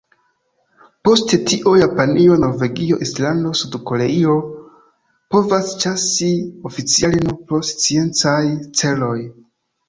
Post tio Japanio, Norvegio, Islando, Sud-Koreio povas ĉasi oficiale nur pro sciencaj celoj.